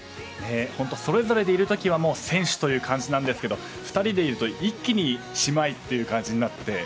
それぞれでいる時は選手という感じなんですけど２人でいると一気に姉妹という感じになって。